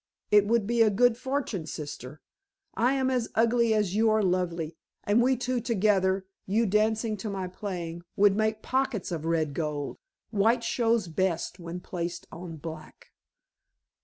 It would be a good fortune, sister. I am as ugly as you are lovely, and we two together, you dancing to my playing, would make pockets of red gold. White shows best when placed on black."